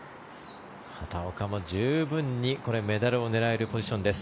畑岡も十分にメダルを狙えるポジションです。